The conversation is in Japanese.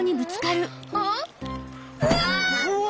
うわ！